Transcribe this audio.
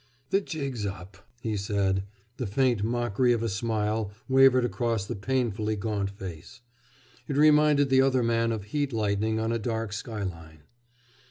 "The jig's up!" he said. The faint mockery of a smile wavered across the painfully gaunt face. It reminded the other man of heat lightning on a dark skyline.